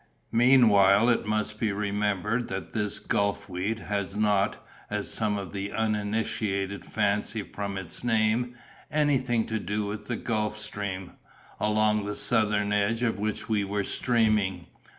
Meanwhile it must be remembered that this gulf weed has not, as some of the uninitiated fancy from its name, anything to do with the Gulf Stream, along the southern edge of which we were streaming.